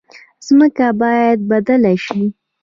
ځمکه باید بدله شي.